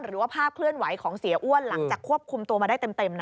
หรือว่าภาพเคลื่อนไหวของเสียอ้วนหลังจากควบคุมตัวมาได้เต็ม